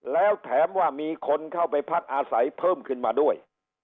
แล้วแถมว่ามีคนเข้าไปพักอาศัยเพิ่มขึ้นมาด้วย